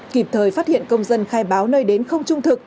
kịp thời phát hiện công dân khai báo nơi đến không trung thực